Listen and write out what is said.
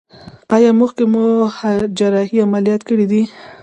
ایا مخکې مو جراحي عملیات کړی دی؟